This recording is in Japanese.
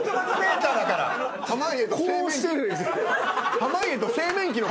こうしてる。